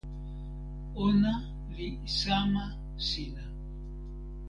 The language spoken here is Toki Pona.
ona li sama sina.